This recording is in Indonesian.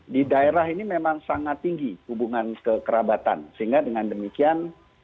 di daerah ini memang sangat tinggi hubungan kekerabatan sehingga dengan demikian